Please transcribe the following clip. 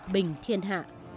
bình thiên hạ